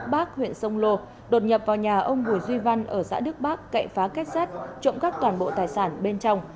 cơ quan huyện sông lô đột nhập vào nhà ông bùi duy văn ở xã đức bắc cậy phá kết sát trộm gắp toàn bộ tài sản bên trong